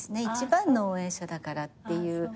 一番の応援者だからっていう。